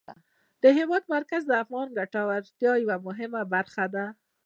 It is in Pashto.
د هېواد مرکز د افغانانو د ګټورتیا یوه مهمه برخه ده.